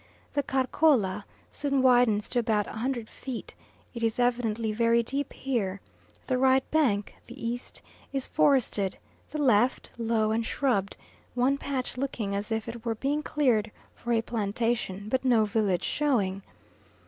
The Karkola soon widens to about 100 feet; it is evidently very deep here; the right bank (the east) is forested, the left, low and shrubbed, one patch looking as if it were being cleared for a plantation, but no village showing.